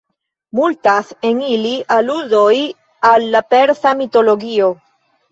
Multas en ili aludoj al la persa mitologio.